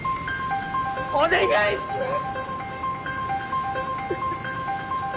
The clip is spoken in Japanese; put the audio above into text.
お願いします。